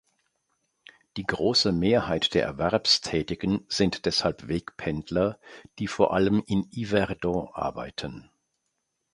Die grosse Mehrheit der Erwerbstätigen sind deshalb Wegpendler, die vor allem in Yverdon arbeiten.